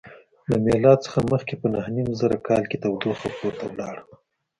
له میلاد څخه مخکې په نهه نیم زره کال کې تودوخه پورته لاړه.